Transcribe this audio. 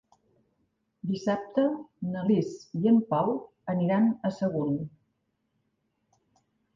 Dissabte na Lis i en Pau aniran a Sagunt.